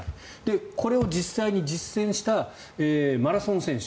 これを実際に実践したマラソン選手